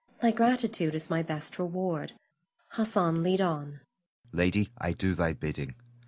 Thy gratitude is my best reward. Hassan, lead on! Hassan. Lady, I do thy bidding.